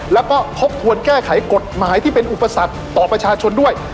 แล้วก็ทบทวนแก้ไขกฎหมายที่เป็นอุปสรรคต่อประชาชนด้วย